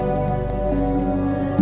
itu dari jawabannya